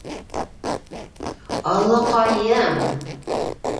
- Аллаҡайым!